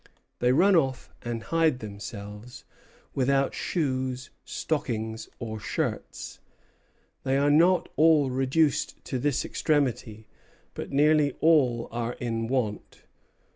They run off and hide themselves, without shoes, stockings, or shirts. They are not all reduced to this extremity but nearly all are in want."